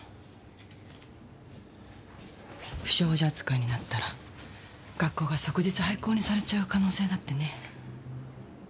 不祥事扱いになったら学校が即日廃校にされちゃう可能性だってね。